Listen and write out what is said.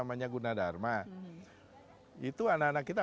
pembicara enam puluh dua nah brobudur itu kan abad ke delapan ya